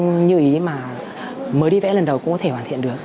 bức tranh như ý mà mới đi vẽ lần đầu cũng có thể hoàn thiện được